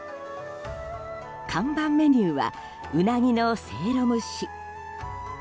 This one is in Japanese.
看板メニューはウナギのせいろ蒸し。